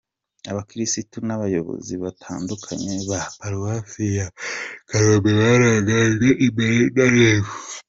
Abakirisitu n’abayobozi batandukanye ba Paruwase ya Kanombe barangajwe imbere na Rev.